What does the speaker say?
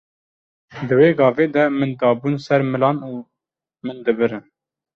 Di wê gavê de min dabûn ser milan û min dibirin.